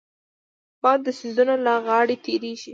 باد د سیندونو له غاړې تېرېږي